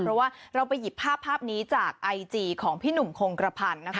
เพราะว่าเราไปหยิบภาพภาพนี้จากไอจีของพี่หนุ่มคงกระพันธ์นะคะ